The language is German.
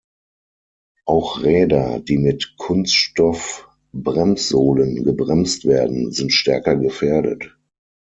Auch Räder, die mit Kunststoff-Bremssohlen gebremst werden, sind stärker gefährdet.